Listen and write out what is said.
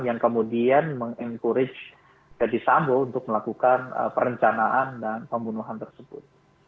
yang kemudian mengencourage kedis sambo untuk melakukan perencanaan dan pembunuhan tersebut